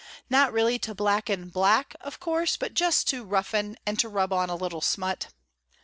Not really to blacken black, of course, but just to roughen and to rub on a little smut.